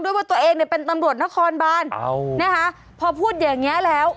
ว่าตัวเองเนี่ยเป็นตำรวจนครบานนะคะพอพูดอย่างเงี้ยแล้ว